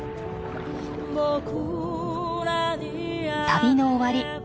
旅の終わり。